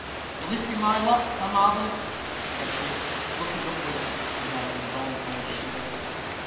"Will this be my lot, I marvel?" said Dick, looking upwards, with an involuntary shudder.